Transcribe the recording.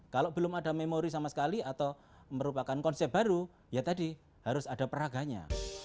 kalau belum ada memori sama sekali atau merupakan konsep baru ya tadi harus ada peraganya